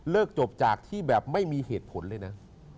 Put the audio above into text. จบจากที่แบบไม่มีเหตุผลเลยนะ